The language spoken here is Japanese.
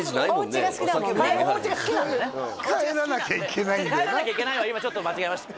違う違う「帰らなきゃいけない」は今ちょっと間違えました